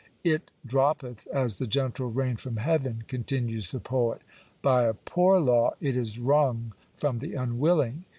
" It droppeth as the gentle rain from heaven/' continues the poet By a poor law it is wrung from the unwilling.